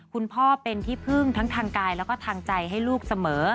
คุณพ่อเป็นที่พึ่งทั้งทางกายแล้วก็ทางใจให้ลูกเสมอ